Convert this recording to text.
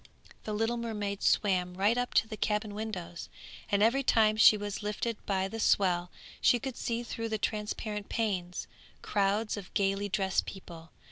The little mermaid swam right up to the cabin windows, and every time she was lifted by the swell she could see through the transparent panes crowds of gaily dressed people.